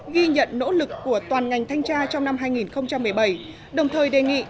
ghi nhận nỗ lực của toàn ngành thanh tra trong năm hai nghìn một mươi bảy đồng thời đề nghị